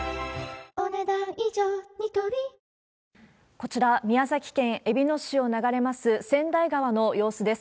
こちら、宮崎県えびの市を流れます川内川の様子です。